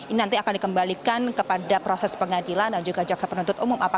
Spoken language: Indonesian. ini nanti akan dikembalikan kepada proses pengadilan dan juga jaksa penuntut umum